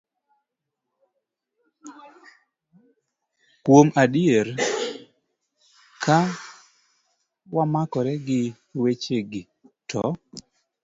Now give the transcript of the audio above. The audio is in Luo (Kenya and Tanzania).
Kuom adier, ka wamakore gi wechegi, to